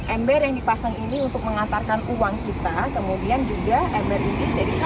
ember yang dipasang ini untuk mengantarkan uang kita kemudian juga ember ini dari sana untuk mengantarkan pesanan yang sudah kita pesan